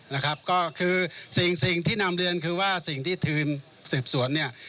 นะครับก็คือสิ่งสิ่งที่นำเรียนคือว่าสิ่งที่ทีมสืบสวนเนี่ย